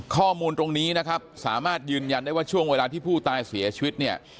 ข้อมูลตรงนี้นะครับสามารถยืนยันได้ว่าช่วงเวลาที่ผู้ตายเสียชีวิตเนี่ย